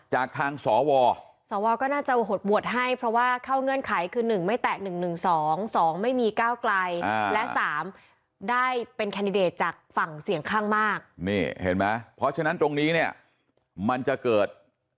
เห็นไหมเพราะฉะนั้นตรงนี้เนี่ยมันจะเกิด